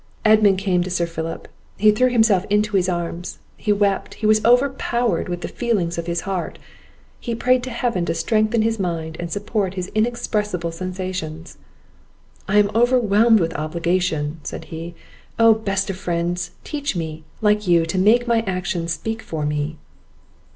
Edmund came to Sir Philip, he threw himself into his arms, he wept, he was overpowered with the feelings of his heart; he prayed to Heaven to strengthen his mind to support his inexpressible sensations. "I am overwhelmed with obligation," said he; "oh, best of friends, teach me, like you, to make my actions speak for me!"